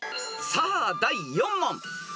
［さあ第４問］